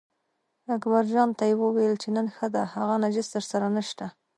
اکبرجان ته یې وویل چې نن ښه ده هغه نجس درسره نشته.